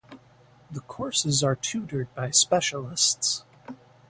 The courses are tutored by specialists.